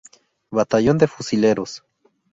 Batallón de Fusileros.